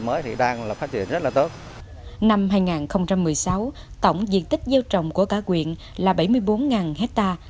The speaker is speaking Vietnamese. mới thì đang là phát triển rất là tốt năm hai nghìn một mươi sáu tổng diện tích gieo trồng của cả quyện là bảy mươi bốn hecta